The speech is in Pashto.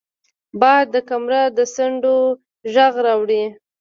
باد د کمره د څنډو غږ راوړي